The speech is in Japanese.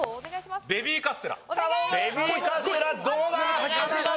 ベビーカステラどうだ？